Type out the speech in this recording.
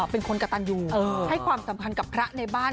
เป็นคนกระตันอยู่ให้ความสำคัญกับพระในบ้าน